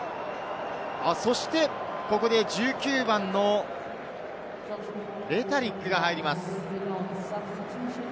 そして、ここで１９番のレタリックが入ります。